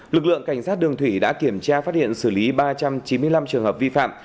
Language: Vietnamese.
lực lượng cảnh sát đường thủy đã kiểm tra phát hiện xử lý ba trăm chín mươi năm trường hợp vi phạm